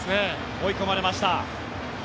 追い込まれました。